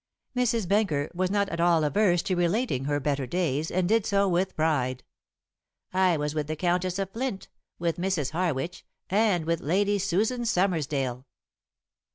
Mrs. Benker was not at all averse to relating her better days, and did so with pride. "I was with the Countess of Flint, with Mrs. Harwitch, and with Lady Susan Summersdale."